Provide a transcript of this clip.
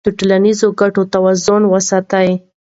د ټولنیزو ګټو توازن وساته.